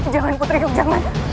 jangan kutriku jangan